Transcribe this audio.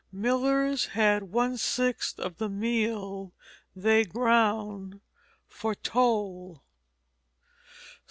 Millers had one sixth of the meal they ground for toll.